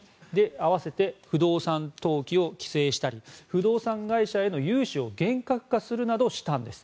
併せて不動産投機を規制したり不動産会社への融資を厳格化するなどしたんです。